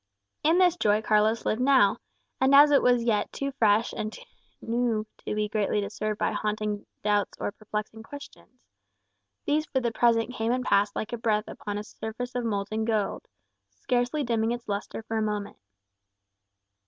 In this joy Carlos lived now; and it was as yet too fresh and new to be greatly disturbed by haunting doubts or perplexing questions. These, for the present, came and passed like a breath upon a surface of molten gold, scarcely dimming its lustre for a moment.